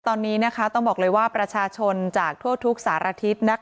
ตอนนี้ต้องบอกเลยว่าประชาชนจากทั่วทุกสารทิศ